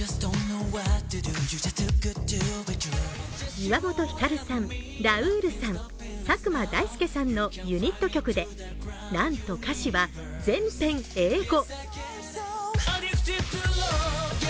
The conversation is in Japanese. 岩本照さん、ラウールさん、佐久間大介のユニット曲でなんと歌詞は全編英語。